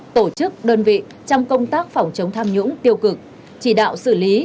tổ chức đơn vị trong công tác phòng chống tham nhũng tiêu cực chỉ đạo xử lý